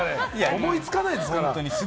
思いつかないですから。